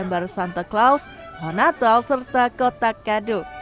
gambar santa claus pohon natal serta kotak kado